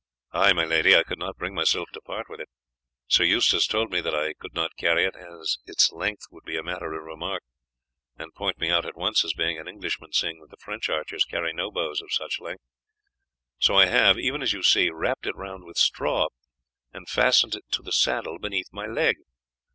"Ay, my lady, I could not bring myself to part with it. Sir Eustace told me that I could not carry it, as its length would be a matter of remark, and point me out at once as being an Englishman, seeing that the French archers carry no bows of such length; so I have, even as you see, wrapped it round with straw, and fastened it to the saddle beneath my leg.